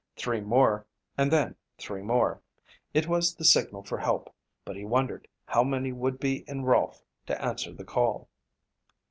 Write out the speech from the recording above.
Three more and then three more. It was the signal for help but he wondered how many would be in Rolfe to answer the call.